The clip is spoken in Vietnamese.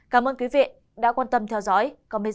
cảm ơn quý vị đã quan tâm theo dõi